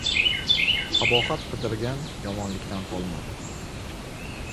• Qabohat qidirgan yomonlikdan qolmadi.